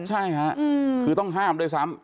ใช่ค่ะคือต้องห้ามด้วยซ้ำ